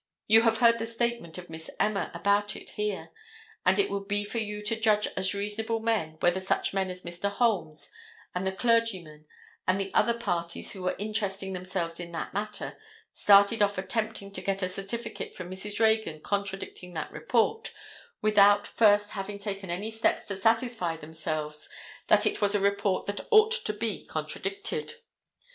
You have heard the statement of Miss Emma about it here; and it would be for you to judge as reasonable men, whether such men as Mr. Holmes and the clergymen and the other parties who were interesting themselves in that matter, started off attempting to get a certificate from Mrs. Reagan contradicting that report without first having taken any steps to satisfy themselves that it was a report that ought to be contradicted.